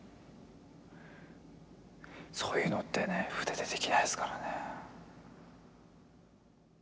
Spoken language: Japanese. そういうのってね筆でできないですからね。